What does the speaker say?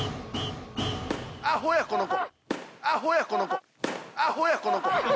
アホやこの子。